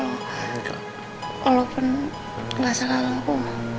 walaupun gak salah aku